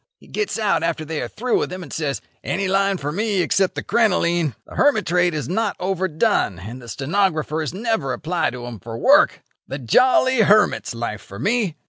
He gets out after they are through with him, and says: 'Any line for me except the crinoline. The hermit trade is not overdone, and the stenographers never apply to 'em for work. The jolly hermit's life for me.